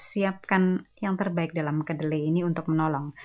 siapkan yang terbaik dalam kedelai ini untuk menolong